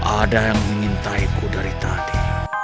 ada yang mengintaiku dari tadi